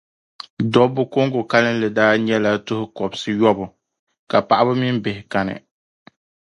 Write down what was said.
dɔbba kɔŋko kalinli daa nyɛla tuh’ kɔbisiyɔbu, ka paɣiba mini bihi kani.